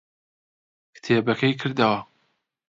کتێبەکەی کردەوە.